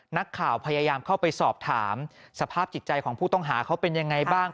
นักข่าวพยายามเข้าไปสอบถามสภาพจิตใจของผู้ต้องหาเขาเป็นยังไงบ้าง